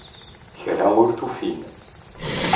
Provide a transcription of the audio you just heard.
Kra ur t-ufin.